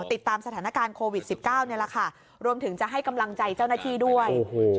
ติดตามสถานการณ์โควิด๑๙นี่แหละค่ะรวมถึงจะให้กำลังใจเจ้าหน้าที่ด้วย